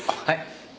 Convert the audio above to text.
はい。